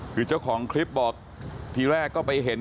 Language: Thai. คือเจ้าของคลิปบอกทีแรกก็ไปเห็น